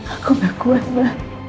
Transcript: aku gak kuat ma